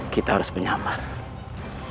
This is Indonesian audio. kita harus menyelamatkan